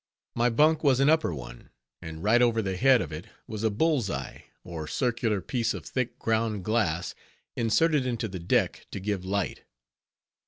My bunk was an upper one; and right over the head of it was a bull's eye, or circular piece of thick ground glass, inserted into the deck to give light.